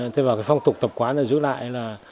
thế vào phong tục tập quán giữ lại là